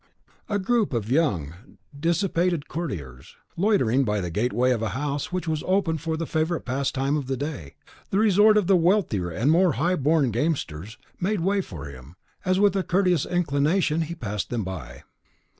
A group of young, dissipated courtiers, loitering by the gateway of a house which was open for the favourite pastime of the day, the resort of the wealthier and more high born gamesters, made way for him, as with a courteous inclination he passed them by.